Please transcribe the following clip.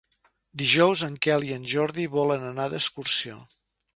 Dijous en Quel i en Jordi volen anar d'excursió.